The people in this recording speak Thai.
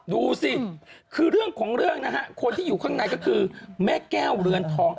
ดูสิคือเรื่องของเรื่องนะฮะคนที่อยู่ข้างในก็คือแม่แก้วเรือนทอง